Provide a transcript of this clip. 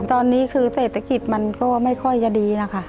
ตอนนี้คือเศรษฐกิจมันก็ไม่ค่อยจะดีนะคะ